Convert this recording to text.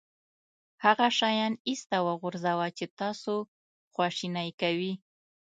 هغه شیان ایسته وغورځوه چې تاسو خواشینی کوي.